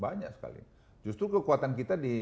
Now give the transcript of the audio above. banyak sekali justru kekuatan kita di